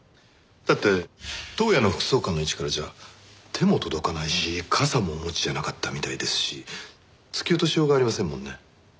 だって当夜の副総監の位置からじゃ手も届かないし傘もお持ちじゃなかったみたいですし突き落としようがありませんもんね。